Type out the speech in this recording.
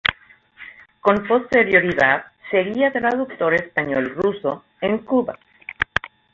Con posterioridad sería traductor español-ruso en Cuba.